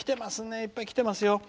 いっぱいきてますよ。